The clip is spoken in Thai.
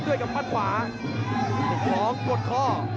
ถึงด้วยพาดขวาห้องร์ดข้อ